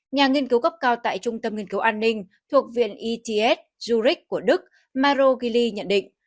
nhà nghiên cứu cấp cao tại trung tâm nghiên cứu an ninh thuộc viện ets jurich của đức marogili nhận định